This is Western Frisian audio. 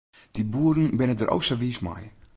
Dy boeren binne der o sa wiis mei.